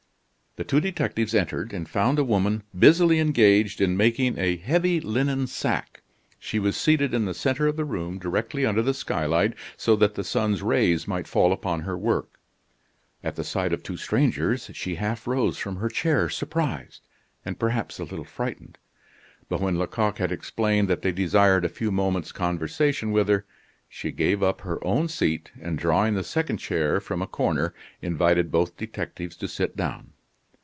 The two detectives entered, and found a woman busily engaged in making a heavy linen sack. She was seated in the centre of the room, directly under the skylight, so that the sun's rays might fall upon her work. At the sight of two strangers, she half rose from her chair, surprised, and perhaps a little frightened; but when Lecoq had explained that they desired a few moments' conversation with her, she gave up her own seat, and drawing the second chair from a corner, invited both detectives to sit down.